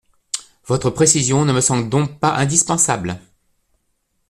Votre précision ne me semble donc pas indispensable.